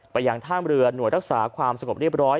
ยังท่ามเรือหน่วยรักษาความสงบเรียบร้อย